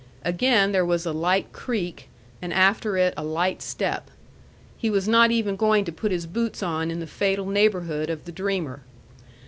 Again there was a light creak, and after it a light step. He was not even going to put his boots on in the fatal neighborhood of the dreamer.